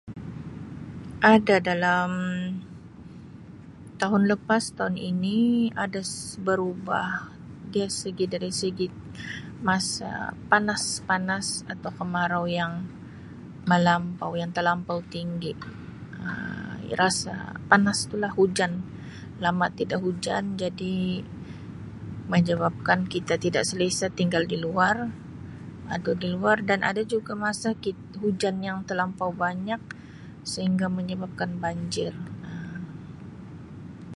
Ada dalam tahun lepas tahun ini ada berubah dia segi dari segi masa panas panas atau kemarau yang melampau yang telampau tinggi Um rasa panas tu lah hujan lama tidak hujan jadi menyebabkan kita tidak selesa tinggal di luar atau di luar dan ada juga masa kit hujan yang telampau banyak sehingga menyebabkan banjir.